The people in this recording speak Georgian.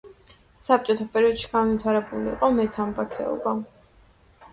საბჭოთა პერიოდში განვითარებული იყო მეთამბაქოეობა.